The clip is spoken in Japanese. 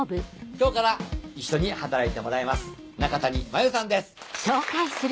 今日から一緒に働いてもらいます中谷真由さんです。